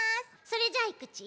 それじゃあいくち。